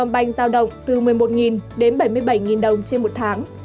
banh giao động từ một mươi một đến bảy mươi bảy đồng trên một tháng